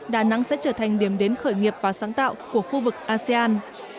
đà nẵng sẽ trở thành điểm đến khởi nghiệp và sáng tạo của khu vực asean